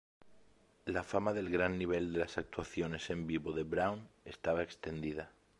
La fama del gran nivel de las actuaciones en vivo de Brown estaba extendida.